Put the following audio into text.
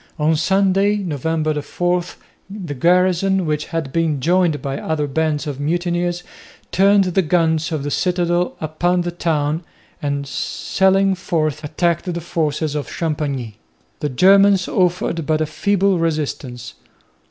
On Sunday, November 4, the garrison, which had been joined by other bands of mutineers, turned the guns of the citadel upon the town and sallying forth attacked the forces of Champagney. The Germans offered but a feeble resistance.